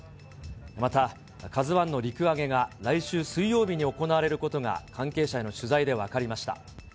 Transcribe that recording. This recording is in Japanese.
また、ＫＡＺＵＩの陸揚げが来週水曜日に行われることが、関係者への取材で分かりました。